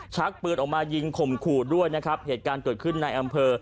ชักปืนออกมายิงข่มขู่ด้วยนะครับเหตุการณ์เกิดขึ้นในอำเภอ